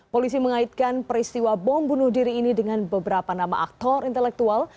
polisi mengaitkan peristiwa bom bunuh diri ini dengan beberapa nama aktor intelektual